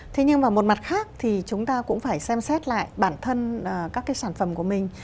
thế nhưng mà một mặt khác thì chúng ta cũng phải xem xét lại bản thân các cái sản phẩm của mình